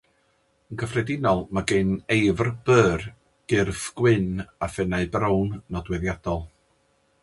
Yn gyffredinol, mae gan eifr Boer gyrff gwyn a phennau brown nodweddiadol.